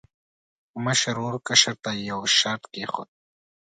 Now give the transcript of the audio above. مشر ورور کشر ته یو شرط کېښود.